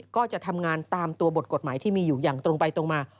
ก็จะทำงานตามตัวบทกฎหมายที่มีอยู่อย่างตรงไปตรงมา